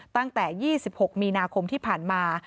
ตั้งแต่๒๖มีนาคมที่ผ่านมา